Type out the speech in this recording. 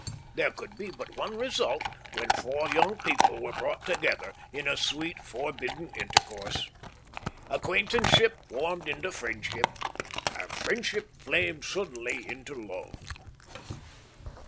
There could be but one result when four young people were brought together in sweet, forbidden intercourse. Acquaintance ship warmed into friendship, and friendship flamed suddenly into love.